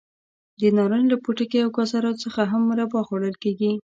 د نارنج له پوټکي او ګازرو څخه هم مربا جوړول کېږي.